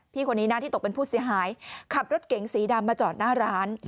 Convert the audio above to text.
พี่คนนี้นะที่ตกเป็นผู้เสียหายขับรถเก๋งสีดำมาจอดหน้าร้าน